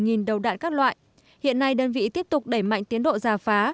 gần một mươi đầu đạn các loại hiện nay đơn vị tiếp tục đẩy mạnh tiến độ giả phá